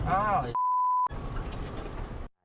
อ้าว